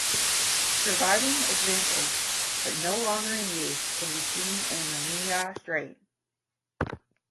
Surviving examples, but no longer in use, can be seen in the Menai Strait.